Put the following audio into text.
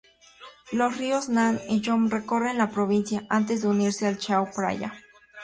Los ríos Nan y Yom recorren la provincia, antes de unirse al Chao Phraya.